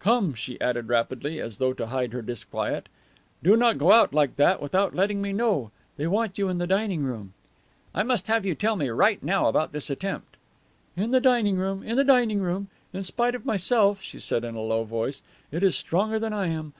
"Come," she added rapidly, as though to hide her disquiet, "do not go out like that without letting me know. They want you in the dining room." "I must have you tell me right now about this attempt." "In the dining room, in the dining room. In spite of myself," she said in a low voice, "it is stronger than I am.